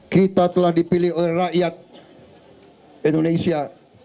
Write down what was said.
kita telah dipilih oleh rakyat indonesia